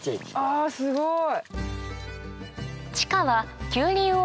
あすごい！